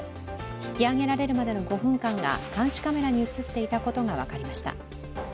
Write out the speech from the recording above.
引き揚げられるまでの５分間が監視カメラに映っていたことが分かりました。